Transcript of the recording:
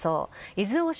伊豆大島